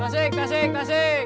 tasik tasik tasik